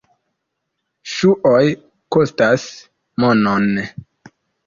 Ŝuoj kostas monon.